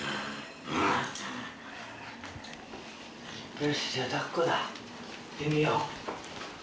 よしじゃあ抱っこだ。いってみよう。